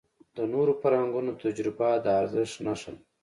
د نورو فرهنګونو تجربه د ارزښت نښه ده.